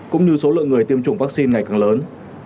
cũng như số lượng người tiêm chủng vaccine ngày càng lớn